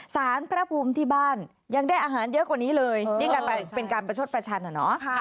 สารพระภูมิที่บ้านยังได้อาหารเยอะกว่านี้เลยยิ่งกันไปเป็นการประชดประชันอ่ะเนาะ